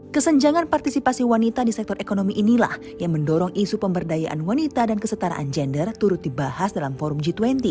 kesenjangan partisipasi wanita di sektor ekonomi inilah yang mendorong isu pemberdayaan wanita dan kesetaraan gender turut dibahas dalam forum g dua puluh